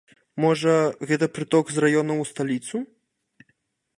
Можа, гэта прыток з раёнаў у сталіцу?